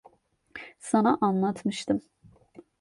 Sana anlatmıştım.